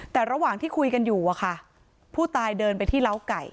แต่ระหว่างที่คุยกันอยู่อะค่ะผู้ตายเดินไปที่เล้าไก่